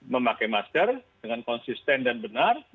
memakai masker dengan konsisten dan benar